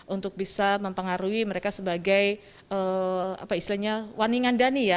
untuk bisa mempengaruhi mereka sebagai apa islinya waningan dani ya